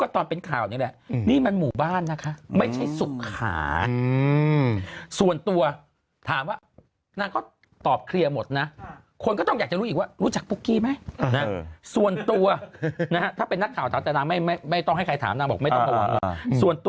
ถ้าเป็นนักข่าวแต่นางไม่ต้องให้ใครถามนางบอกไม่ต้องประหว่าง